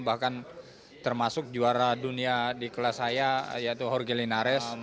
bahkan termasuk juara dunia di kelas saya yaitu jorgelinares